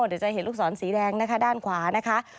เดี๋ยวจะเห็นลูกศรสีแดงนะคะด้านขวานะคะ